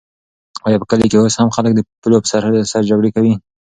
آیا په کلي کې اوس هم خلک د پولو په سر جګړې کوي؟